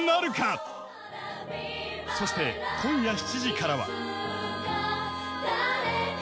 ［そして今夜７時からは］